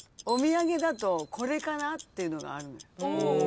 お土産だとこれかなっていうのがある。